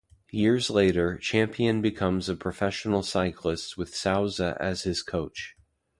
Years later, Champion becomes a professional cyclist with Souza as his coach.